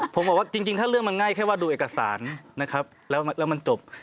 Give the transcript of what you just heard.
ผมบอกว่าจริงถ้าเรื่องมันง่ายแค่ว่าดูเอกสารนะครับแล้วมันจบ